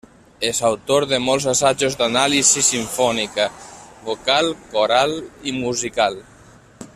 És autor de molts assajos d'anàlisi simfònica, vocal, coral i musical.